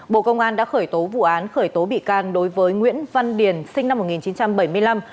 bộ công an đã khởi tố vụ án khởi tố bị can đối với nguyễn văn điền sinh năm một nghìn chín trăm bảy mươi năm